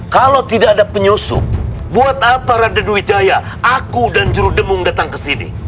kalau tidak ada penyusup buat apa rade dwi jaya aku dan jurudemung datang ke sini